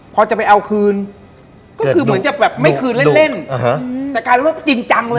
พอจะไปเอาคืนก็คือเหมือนจะแบบไม่คืนเล่นเล่นแต่กลายเป็นว่าจริงจังเลย